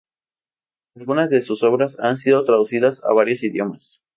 Algunas de sus obras han sido traducidas a varios idiomas.